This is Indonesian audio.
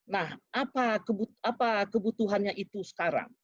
nah apa kebutuhannya itu sekarang